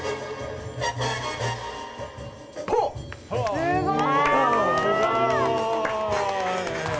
すごい！